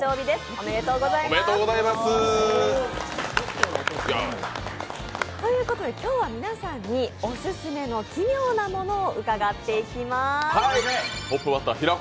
おめでとうございます。ということで、今日は皆さんにオススメの奇妙なものを伺っていきます。